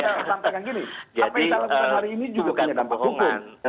apa yang kita lakukan hari ini juga